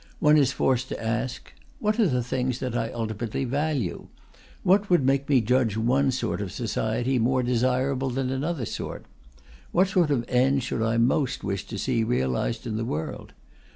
One is forced to ask: What are the things that I ultimately value? What would make me judge one sort of society more desirable than another sort? What sort of ends should I most wish to see realized in the world?